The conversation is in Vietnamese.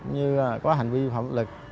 như có hành vi phạm lực